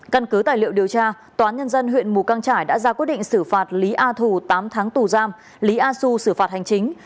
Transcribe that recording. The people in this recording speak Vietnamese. căn cứ tài liệu điều tra tòa án nhân dân huyện mù căng trải đã ra quyết định xử phạt lý a thù tám tháng tù giam lý a xu xử phạt hành chính